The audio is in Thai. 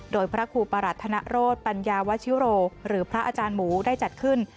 โดยพระครูประหัสธนโรธปัญญาวชิโรหรือพระอาจารย์หมูได้จัดขึ้น